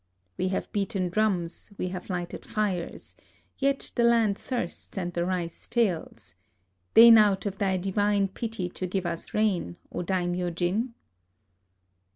We have beaten drums, we have lighted fires ; yet the land thirsts and the rice fails. Deign out of thy divine pity to give us rain, O Daimyo jin!"